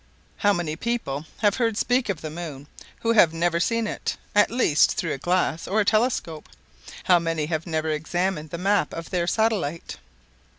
How many people have heard speak of the moon who have never seen it—at least through a glass or a telescope! How many have never examined the map of their satellite!